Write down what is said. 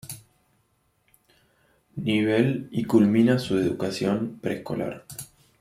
Nivel y culmina su educación preescolar.